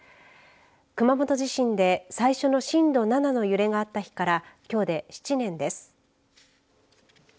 熊本地震で最初の震度７の揺れがあった日からきょうで７年です。